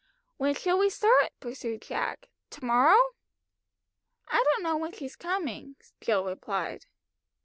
"When shall we start?" pursued Jack "to morrow?" "I don't know when she's coming," Jill replied.